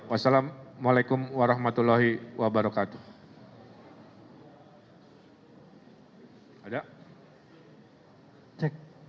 wassalamu'alaikum warahmatullahi wabarakatuh